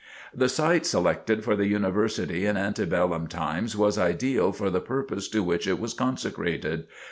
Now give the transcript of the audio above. The site selected for the University in ante bellum times was ideal for the purpose to which it was consecrated.